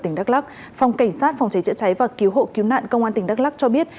tỉnh đắk lắc phòng cảnh sát phòng cháy chữa cháy và cứu hộ cứu nạn công an tỉnh đắk lắc cho biết